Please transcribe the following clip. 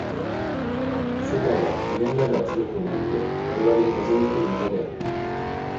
世界は無限なる圧力を以て我々に臨み来るものである。